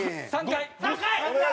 ３回！